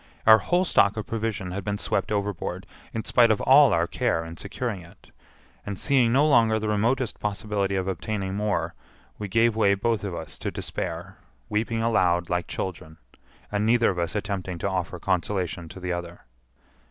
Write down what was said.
Our whole stock of provision had been swept overboard in spite of all our care in securing it; and seeing no longer the remotest possibility of obtaining more, we gave way both of us to despair, weeping aloud like children, and neither of us attempting to offer consolation to the other.